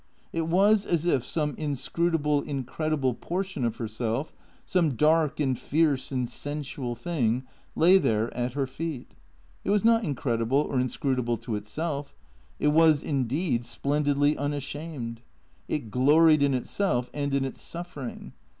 It was as if some inscrutable, incredible portion of herself, some dark and fierce and sensual thing lay there at her feet. It was not incredible or inscrutable to itself. It was indeed splendidly unashamed. It gloried in itself and in its suffer ing.